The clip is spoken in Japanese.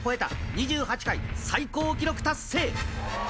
２８回、最高記録達成。